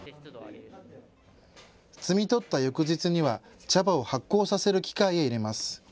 摘み取った翌日には茶葉を発酵させる機械へ入れます。